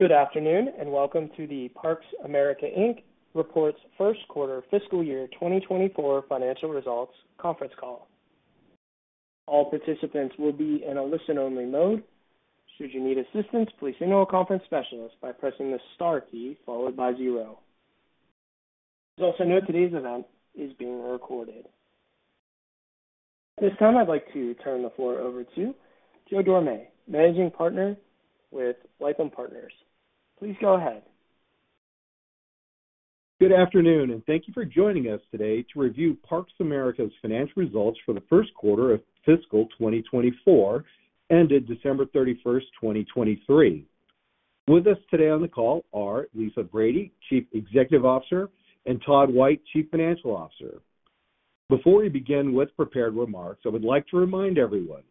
Good afternoon and welcome to theParks! America, Inc. report's Q1 fiscal year 2024 financial results conference call. All participants will be in a listen-only mode. Should you need assistance, please call conference specialists by pressing the star key followed by 0. Please also note today's event is being recorded. At this time, I'd like to turn the floor over to Joe Dorame, managing partner with Lytham Partners. Please go ahead. Good afternoon, and thank you for joining us today to review Parks! America's financial results for the Q1 of fiscal 2024, ended December 31st, 2023. With us today on the call are Lisa Brady, Chief Executive Officer, and Todd White, Chief Financial Officer. Before we begin with prepared remarks, I would like to remind everyone: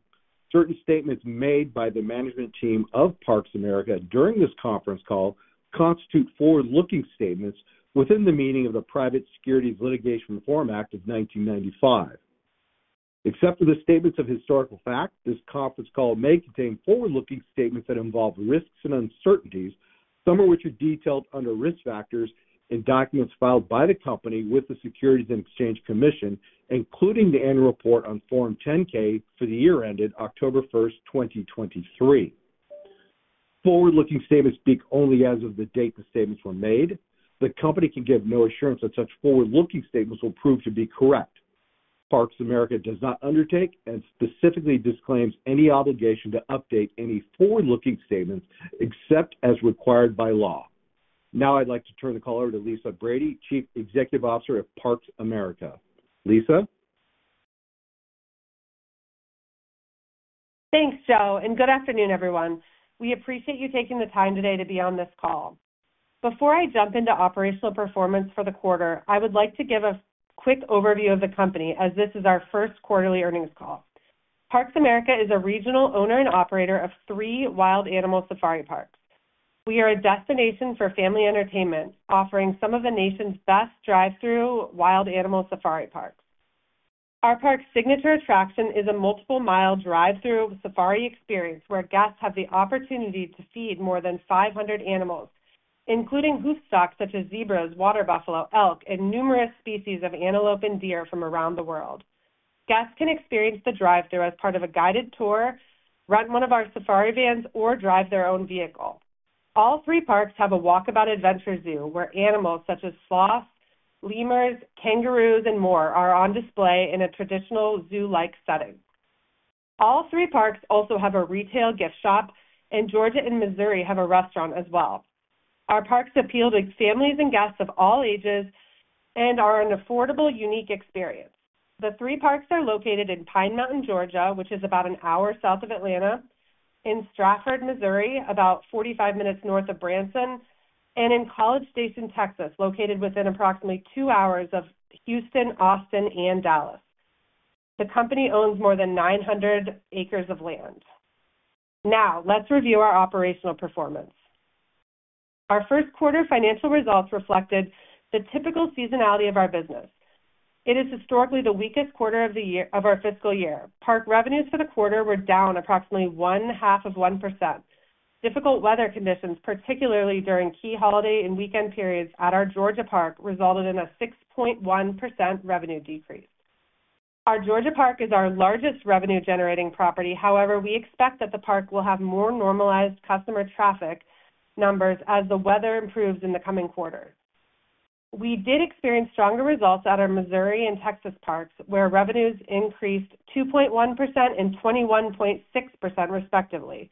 certain statements made by the management team of Parks! America during this conference call constitute forward-looking statements within the meaning of the Private Securities Litigation Reform Act of 1995. Except for the statements of historical fact, this conference call may contain forward-looking statements that involve risks and uncertainties, some of which are detailed under risk factors in documents filed by the company with the Securities and Exchange Commission, including the annual report on Form 10-K for the year ended October 1st, 2023. Forward-looking statements speak only as of the date the statements were made. The company can give no assurance that such forward-looking statements will prove to be correct. Parks! America does not undertake and specifically disclaims any obligation to update any forward-looking statements except as required by law. Now I'd like to turn the call over to Lisa Brady, Chief Executive Officer of Parks! America. Lisa? Thanks, Joe, and good afternoon, everyone. We appreciate you taking the time today to be on this call. Before I jump into operational performance for the quarter, I would like to give a quick overview of the company as this is our Q1ly earnings call. Parks! America is a regional owner and operator of three wild animal safari parks. We are a destination for family entertainment, offering some of the nation's best drive-through wild animal safari parks. Our park's signature attraction is a multiple-mile drive-through safari experience where guests have the opportunity to feed more than 500 animals, including hoofstock such as zebras, water buffalo, elk, and numerous species of antelope and deer from around the world. Guests can experience the drive-through as part of a guided tour, rent one of our safari vans, or drive their own vehicle. All three parks have a Walkabout Adventure Zoo where animals such as sloths, lemurs, kangaroos, and more are on display in a traditional zoo-like setting. All three parks also have a retail gift shop, and Georgia and Missouri have a restaurant as well. Our parks appeal to families and guests of all ages and are an affordable, unique experience. The three parks are located in Pine Mountain, Georgia, which is about an hour south of Atlanta, in Strafford, Missouri, about 45 minutes north of Branson, and in College Station, Texas, located within approximately 2 hours of Houston, Austin, and Dallas. The company owns more than 900 acres of land. Now let's review our operational performance. Our Q1 financial results reflected the typical seasonality of our business. It is historically the weakest quarter of our fiscal year. Park revenues for the quarter were down approximately 0.5%. Difficult weather conditions, particularly during key holiday and weekend periods at our Georgia Park, resulted in a 6.1% revenue decrease. Our Georgia Park is our largest revenue-generating property. However, we expect that the park will have more normalized customer traffic numbers as the weather improves in the coming quarter. We did experience stronger results at our Missouri and Texas parks, where revenues increased 2.1% and 21.6%, respectively.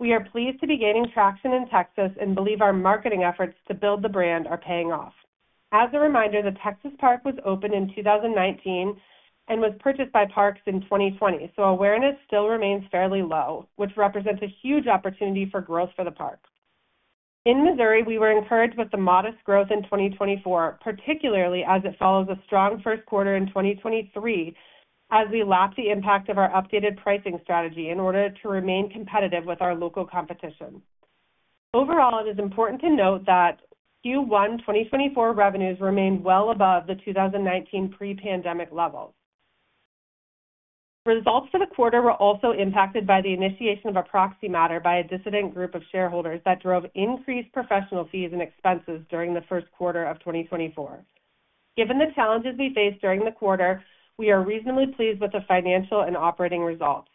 We are pleased to be gaining traction in Texas and believe our marketing efforts to build the brand are paying off. As a reminder, the Texas Park was opened in 2019 and was purchased by Parks in 2020, so awareness still remains fairly low, which represents a huge opportunity for growth for the park. In Missouri, we were encouraged with the modest growth in 2024, particularly as it follows a strong Q1 in 2023 as we lap the impact of our updated pricing strategy in order to remain competitive with our local competition. Overall, it is important to note that Q1 2024 revenues remained well above the 2019 pre-pandemic levels. Results for the quarter were also impacted by the initiation of a proxy matter by a dissident group of shareholders that drove increased professional fees and expenses during the Q1 of 2024. Given the challenges we faced during the quarter, we are reasonably pleased with the financial and operating results.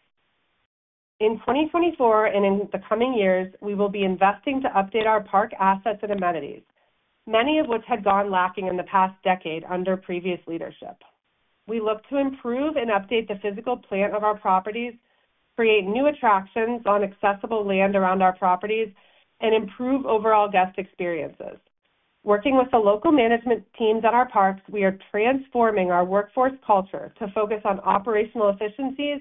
In 2024 and in the coming years, we will be investing to update our park assets and amenities, many of which had gone lacking in the past decade under previous leadership. We look to improve and update the physical plant of our properties, create new attractions on accessible land around our properties, and improve overall guest experiences. Working with the local management teams at our parks, we are transforming our workforce culture to focus on operational efficiencies,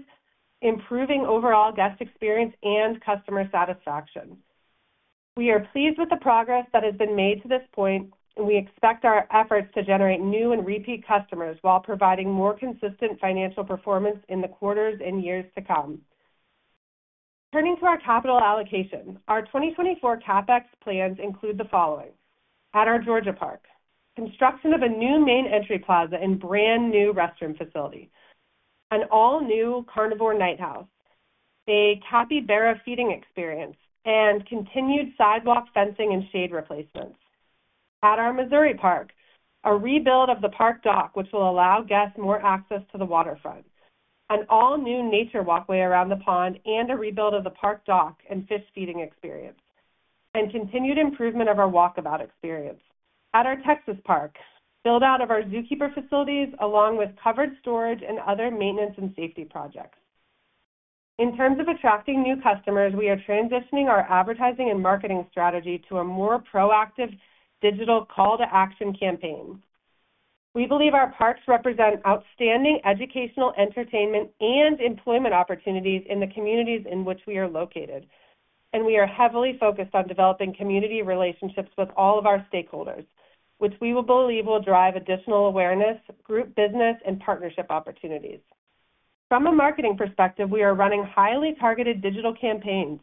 improving overall guest experience, and customer satisfaction. We are pleased with the progress that has been made to this point, and we expect our efforts to generate new and repeat customers while providing more consistent financial performance in the quarters and years to come. Turning to our capital allocation, our 2024 CapEx plans include the following: at our Georgia Park, construction of a new main entry plaza and brand new restroom facility, an all-new carnivore nighthouse, a capybara feeding experience, and continued sidewalk fencing and shade replacements. At our Missouri Park, a rebuild of the park dock, which will allow guests more access to the waterfront. An all-new nature walkway around the pond and a rebuild of the park dock and fish feeding experience. And continued improvement of our walkabout experience. At our Texas Park, build-out of our zookeeper facilities along with covered storage and other maintenance and safety projects. In terms of attracting new customers, we are transitioning our advertising and marketing strategy to a more proactive digital call-to-action campaign. We believe our parks represent outstanding educational, entertainment, and employment opportunities in the communities in which we are located, and we are heavily focused on developing community relationships with all of our stakeholders, which we will believe will drive additional awareness, group business, and partnership opportunities. From a marketing perspective, we are running highly targeted digital campaigns,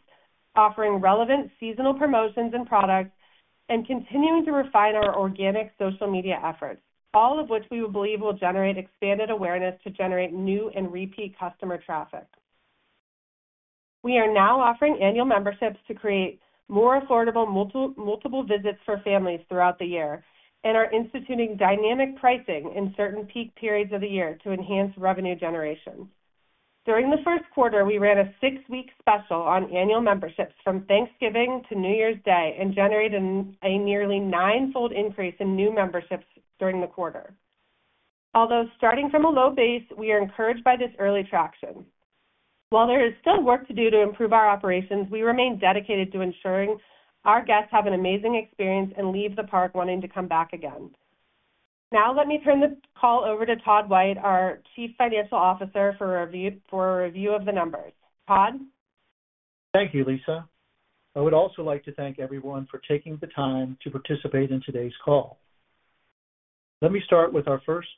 offering relevant seasonal promotions and products, and continuing to refine our organic social media efforts, all of which we will believe will generate expanded awareness to generate new and repeat customer traffic. We are now offering annual memberships to create more affordable multiple visits for families throughout the year and are instituting dynamic pricing in certain peak periods of the year to enhance revenue generation. During the Q1, we ran a six-week special on annual memberships from Thanksgiving to New Year's Day and generated a nearly nine-fold increase in new memberships during the quarter. Although starting from a low base, we are encouraged by this early traction. While there is still work to do to improve our operations, we remain dedicated to ensuring our guests have an amazing experience and leave the park wanting to come back again. Now let me turn the call over to Todd White, our Chief Financial Officer, for a review of the numbers. Todd? Thank you, Lisa. I would also like to thank everyone for taking the time to participate in today's call. Let me start with our first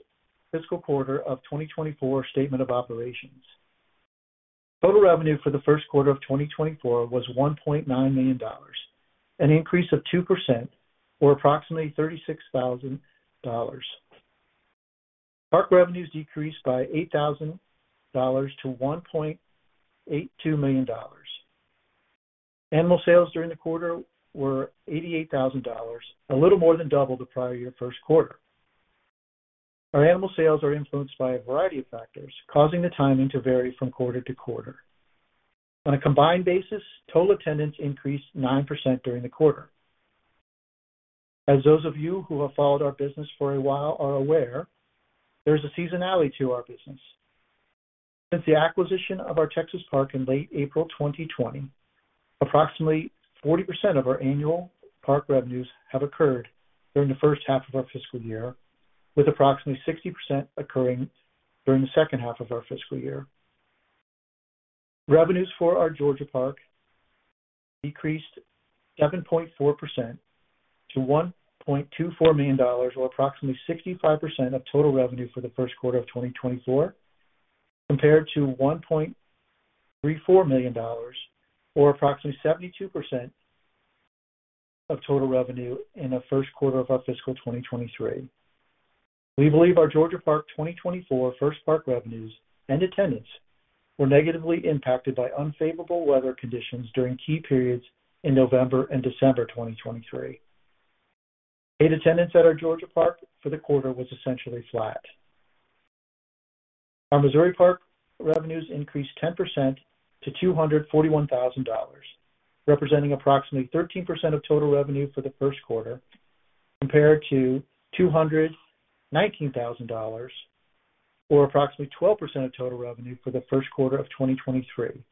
fiscal quarter of 2024 statement of operations. Total revenue for the Q1 of 2024 was $1.9 million, an increase of 2% or approximately $36,000. Park revenues decreased by $8,000 to $1.82 million. Animal sales during the quarter were $88,000, a little more than double the prior year Q1. Our animal sales are influenced by a variety of factors, causing the timing to vary from quarter to quarter. On a combined basis, total attendance increased 9% during the quarter. As those of you who have followed our business for a while are aware, there is a seasonality to our business. Since the acquisition of our Texas Park in late April 2020, approximately 40% of our annual park revenues have occurred during the H1 of our fiscal year, with approximately 60% occurring during the H2 of our fiscal year. Revenues for our Georgia Park decreased 7.4% to $1.24 million, or approximately 65% of total revenue for the Q1 of 2024, compared to $1.34 million, or approximately 72% of total revenue in the Q1 of our fiscal 2023. We believe our Georgia Park 2024 first park revenues and attendance were negatively impacted by unfavorable weather conditions during key periods in November and December 2023. Gate attendance at our Georgia Park for the quarter was essentially flat. Our Missouri Park revenues increased 10% to $241,000, representing approximately 13% of total revenue for the Q1, compared to $219,000, or approximately 12% of total revenue for the Q1 of 2023.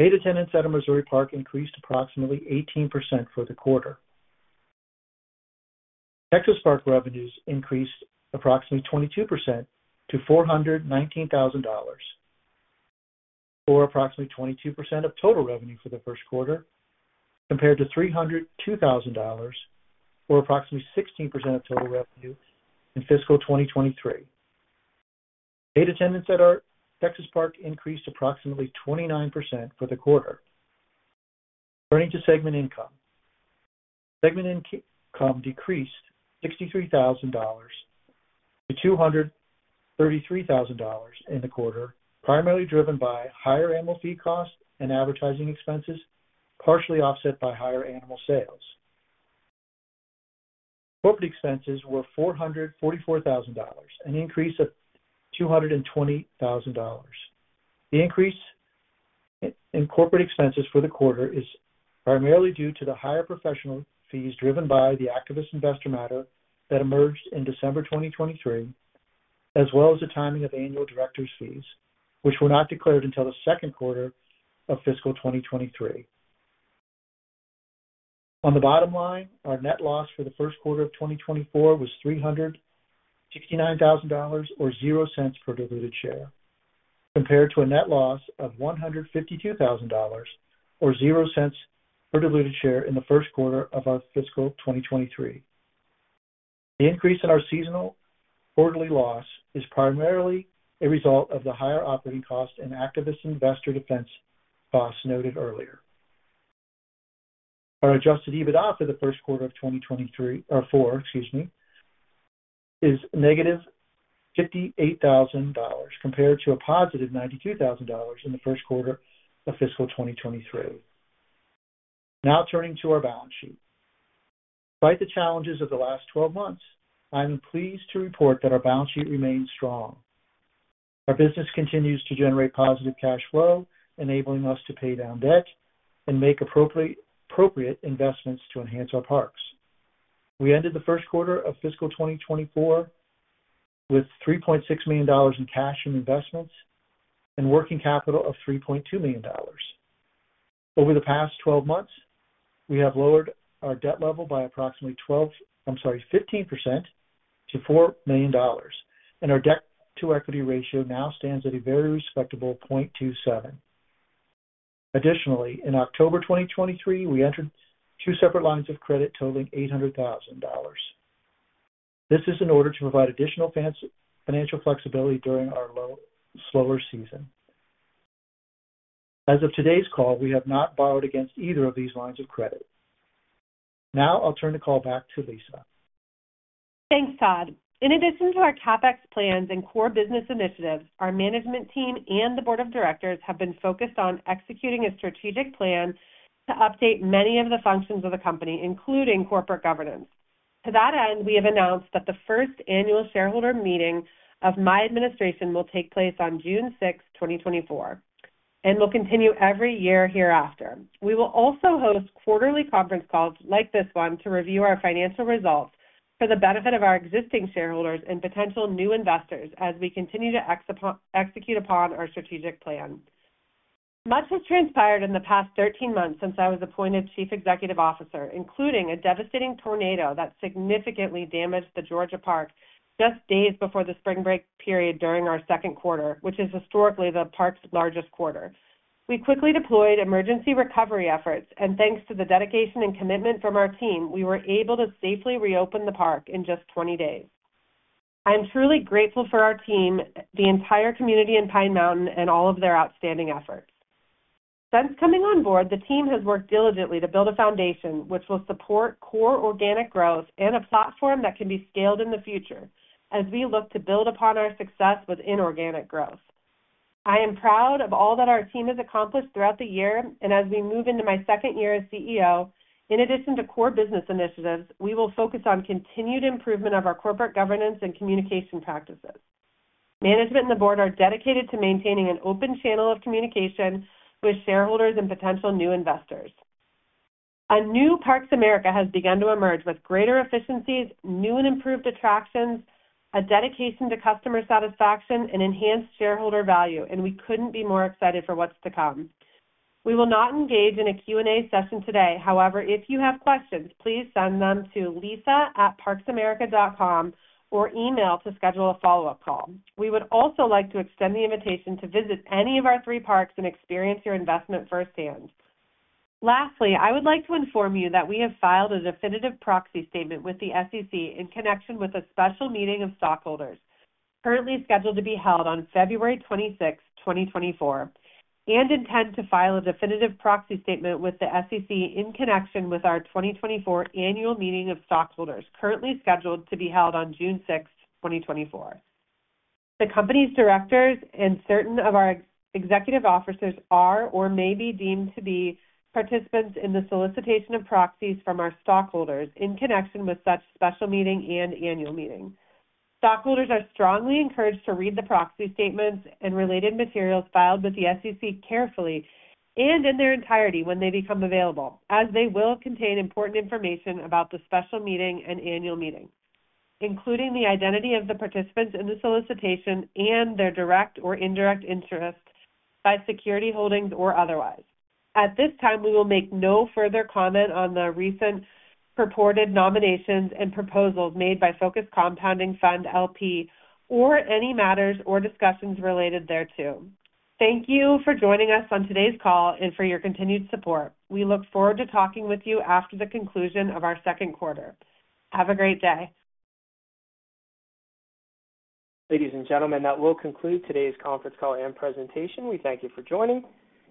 Gate attendance at our Missouri Park increased approximately 18% for the quarter. Texas Park revenues increased approximately 22% to $419,000, or approximately 22% of total revenue for the Q1, compared to $302,000, or approximately 16% of total revenue in fiscal 2023. Gate attendance at our Texas Park increased approximately 29% for the quarter. Turning to segment income. Segment income decreased $63,000 to $233,000 in the quarter, primarily driven by higher animal fee costs and advertising expenses, partially offset by higher animal sales. Corporate expenses were $444,000, an increase of $220,000. The increase in corporate expenses for the quarter is primarily due to the higher professional fees driven by the activist investor matter that emerged in December 2023, as well as the timing of annual directors' fees, which were not declared until the Q2 of fiscal 2023. On the bottom line, our net loss for the Q1 of 2024 was $369,000, or $0.00 per diluted share, compared to a net loss of $152,000, or $0.00 per diluted share in the Q1 of our fiscal 2023. The increase in our seasonal quarterly loss is primarily a result of the higher operating costs and activist investor defense costs noted earlier. Our Adjusted EBITDA for the Q1 of 2024 is negative $58,000, compared to a positive $92,000 in the Q1 of fiscal 2023. Now turning to our balance sheet. Despite the challenges of the last 12 months, I am pleased to report that our balance sheet remains strong. Our business continues to generate positive cash flow, enabling us to pay down debt and make appropriate investments to enhance our parks. We ended the Q1 of fiscal 2024 with $3.6 million in cash and investments and working capital of $3.2 million. Over the past 12 months, we have lowered our debt level by approximately 15% to $4 million, and our debt-to-equity ratio now stands at a very respectable 0.27. Additionally, in October 2023, we entered two separate lines of credit totaling $800,000. This is in order to provide additional financial flexibility during our slower season. As of today's call, we have not borrowed against either of these lines of credit. Now I'll turn the call back to Lisa. Thanks, Todd. In addition to our CapEx plans and core business initiatives, our management team and the board of directors have been focused on executing a strategic plan to update many of the functions of the company, including corporate governance. To that end, we have announced that the first annual shareholder meeting of my administration will take place on June 6, 2024, and will continue every year hereafter. We will also host quarterly conference calls like this one to review our financial results for the benefit of our existing shareholders and potential new investors as we continue to execute upon our strategic plan. Much has transpired in the past 13 months since I was appointed Chief Executive Officer, including a devastating tornado that significantly damaged the Georgia Park just days before the spring break period during our Q2, which is historically the park's largest quarter. We quickly deployed emergency recovery efforts, and thanks to the dedication and commitment from our team, we were able to safely reopen the park in just 20 days. I am truly grateful for our team, the entire community in Pine Mountain, and all of their outstanding efforts. Since coming on board, the team has worked diligently to build a foundation which will support core organic growth and a platform that can be scaled in the future as we look to build upon our success with inorganic growth. I am proud of all that our team has accomplished throughout the year, and as we move into my second year as CEO, in addition to core business initiatives, we will focus on continued improvement of our corporate governance and communication practices. Management and the board are dedicated to maintaining an open channel of communication with shareholders and potential new investors. A new Parks! America has begun to emerge with greater efficiencies, new and improved attractions, a dedication to customer satisfaction, and enhanced shareholder value, and we couldn't be more excited for what's to come. We will not engage in a Q&A session today. However, if you have questions, please send them to lisa@parksamerica.com or email to schedule a follow-up call. We would also like to extend the invitation to visit any of our three parks and experience your investment firsthand. Lastly, I would like to inform you that we have filed a definitive proxy statement with the SEC in connection with a special meeting of stockholders, currently scheduled to be held on February 26, 2024, and intend to file a definitive proxy statement with the SEC in connection with our 2024 annual meeting of stockholders, currently scheduled to be held on June 6, 2024. The company's directors and certain of our executive officers are or may be deemed to be participants in the solicitation of proxies from our stockholders in connection with such special meeting and annual meeting. Stockholders are strongly encouraged to read the proxy statements and related materials filed with the SEC carefully and in their entirety when they become available, as they will contain important information about the special meeting and annual meeting, including the identity of the participants in the solicitation and their direct or indirect interest by security holdings or otherwise. At this time, we will make no further comment on the recent purported nominations and proposals made by Focused Compounding Fund, LP, or any matters or discussions related thereto. Thank you for joining us on today's call and for your continued support. We look forward to talking with you after the conclusion of our Q2. Have a great day. Ladies and gentlemen, that will conclude today's conference call and presentation. We thank you for joining.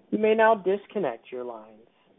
You may now disconnect your lines.